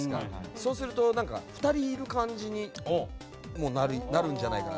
そうすると２人いる感じにもなるんじゃないかな。